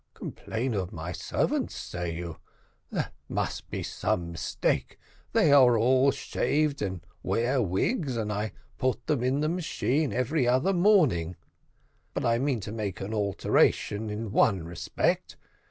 Complain of my servants, say you? there must be some mistake they are all shaved, and wear wigs, and I put them in the machine every other morning; but I mean to make an alteration in one respect.